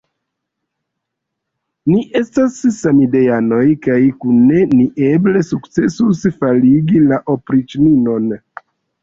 Ni estas samideanoj kaj kune ni eble sukcesus faligi la opriĉninon.